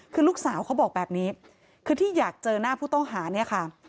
คือลูกสาวเขาบอกแบบนี้คือที่อยากเจอหน้าผู้ต้องหาเนี่ยค่ะ